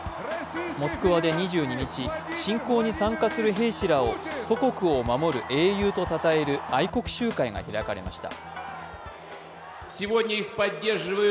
モスクワで２２日、侵攻に参加する兵士らを祖国を守る英雄とたたえる愛国集会が開かれました。